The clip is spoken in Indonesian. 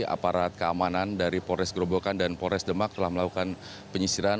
aparat keamanan dari polres gerobokan dan polres demak telah melakukan penyisiran